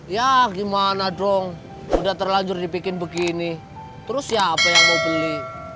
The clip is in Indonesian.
ya gimana dong udah terlanjur dibikin begini terus siapa yang mau beli